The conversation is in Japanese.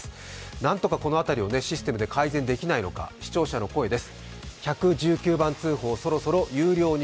何とかこの辺りをシステムで改善できないのか、視聴者の声です。